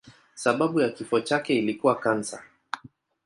Sababu ya kifo chake ilikuwa kansa.